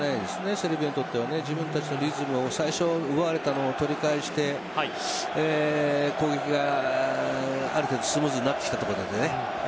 セルビアにとっては自分たちのリズムを最初奪われたのを取り返して攻撃がある程度スムーズになってきたところでね